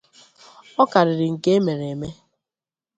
ọ karịrị nke e mere eme.